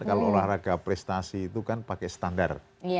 kalau olahraga prestasi itu kan pakai standar